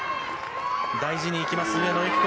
大事にいきます、上野由岐子。